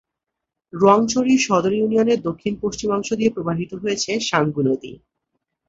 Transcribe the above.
রোয়াংছড়ি সদর ইউনিয়নের দক্ষিণ-পশ্চিমাংশ দিয়ে প্রবাহিত হচ্ছে সাঙ্গু নদী।